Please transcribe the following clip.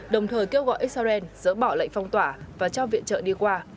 đồng thời kêu gọi israel dỡ bỏ lệnh phong tỏa và cho viện trợ đi qua